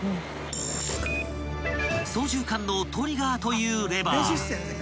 ［操縦かんのトリガーというレバー］